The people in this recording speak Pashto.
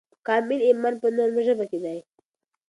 کامل ایمان په نرمه ژبه کې دی.